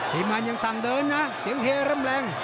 ทีมงานยังสั่งเดินนะเสียงเฮร่ำแรง